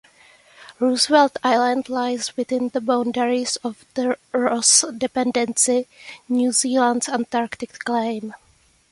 Roosevelt Island lies within the boundaries of the Ross Dependency, New Zealand's Antarctic claim.